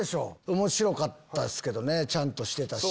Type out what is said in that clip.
面白かったですけどねちゃんとしてたし。